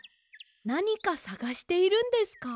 なにかさがしているんですか？